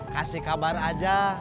kasih kabar aja